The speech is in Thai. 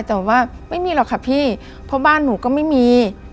แต่ว่าไม่มีหรอกค่ะพี่เพราะบ้านหนูก็ไม่มี